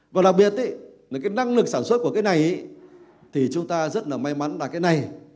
và đặc biệt là cái năng lực sản xuất của cái này thì chúng ta rất là may mắn là cái này